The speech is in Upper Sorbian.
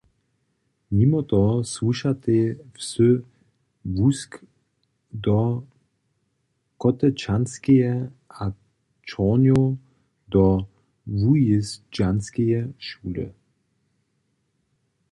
Nimo toho słušatej wsy Łusk do Kotečanskeje a Čornjow do Wujězdźanskeje šule.